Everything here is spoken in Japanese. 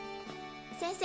先生